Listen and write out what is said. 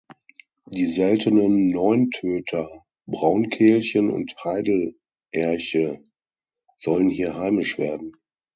Die seltenen Neuntöter, Braunkehlchen und Heidelerche sollen hier heimisch werden.